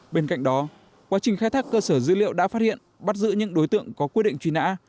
bên cạnh đó quá trình khai thác cơ sở dữ liệu đã phát hiện bắt giữ những đối tượng có quyết định truy nã